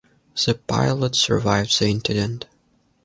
The pilot survived the incident.